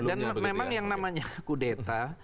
dan memang yang namanya kudeta